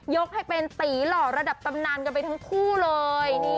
ยกให้เป็นตีหล่อระดับตำนานกันไปทั้งคู่เลย